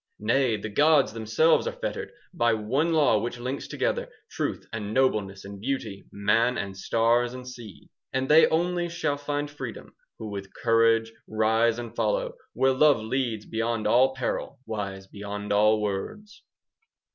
Nay, the gods themselves are fettered By one law which links together 10 Truth and nobleness and beauty, Man and stars and sea. And they only shall find freedom Who with courage rise and follow Where love leads beyond all peril, 15 Wise beyond all words.